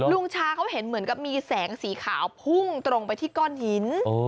ลุงชาเขาเห็นเหมือนกับมีแสงสีขาวพุ่งตรงไปที่ก้อนหิน